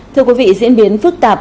thưa quý vị diễn biến phức tạp